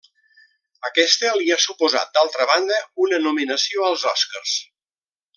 Aquesta li ha suposat d'altra banda una nominació als Oscars.